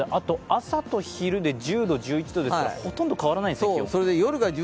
朝と昼で１０度、１１度ですから、気温、ほとんど変わらないですね。